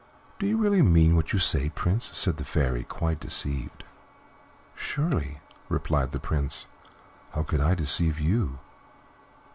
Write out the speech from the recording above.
"Do you really mean what you say, Prince?" said the Fairy, quite deceived. "Surely," replied the Prince; "how could I deceive you?